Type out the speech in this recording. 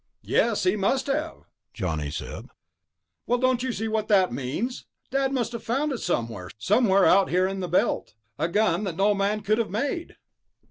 "Yes, he must have," Johnny said. "Well, don't you see what that means? Dad must have found it somewhere. Somewhere out here in the Belt ... a gun that no man could have made...."